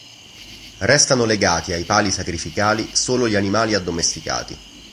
Restano legati ai pali sacrificali solo gli animali addomesticati.